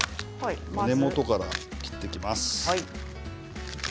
根元から切っていきます。